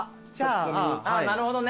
なるほどね。